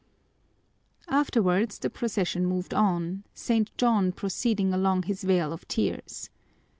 Afterwards, the procession moved on, St. John proceeding along his vale of tears.